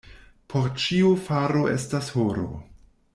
Por ĉiu faro estas horo.